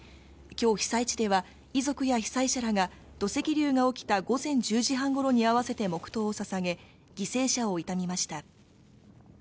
きょう、被災地では遺族や被災者らが、土石流が起きた午前１０時半ごろに合わせて黙とうをささげ、犠牲者を悼みました。